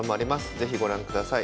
是非ご覧ください。